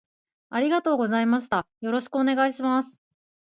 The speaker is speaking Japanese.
ありがとうございましたよろしくお願いします